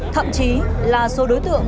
thậm chí là số đối tượng